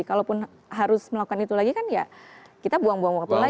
kalaupun harus melakukan itu lagi kan ya kita buang buang waktu lagi